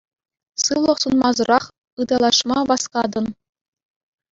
Сывлӑх сунмасӑрах ыталашма васкатӑн.